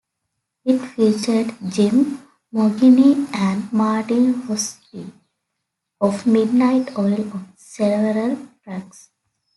It featured Jim Moginie and Martin Rotsey of Midnight Oil on several tracks.